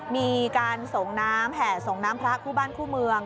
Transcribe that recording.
มีการแห่ส่งน้ำพระคู่บ้านคู่เมือง